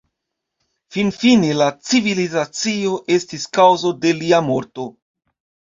Finfine la civilizacio estis kaŭzo de lia morto.